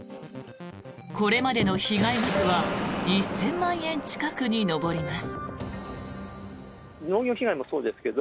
これまでの被害額は１０００万円近くに上ります。